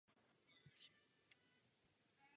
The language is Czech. Věříme v to, že všechna práva dlí uvnitř jedince.